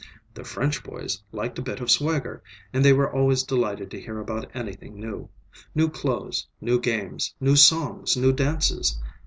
The French boys liked a bit of swagger, and they were always delighted to hear about anything new: new clothes, new games, new songs, new dances.